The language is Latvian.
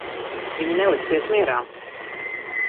Viņi neliksies mierā.